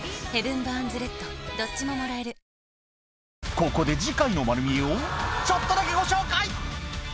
ここで次回の『まる見え！』をちょっとだけご紹介